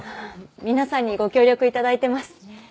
皆さんにご協力頂いてます。